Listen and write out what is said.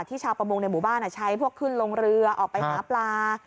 ชาวประมงในหมู่บ้านใช้พวกขึ้นลงเรือออกไปหาปลา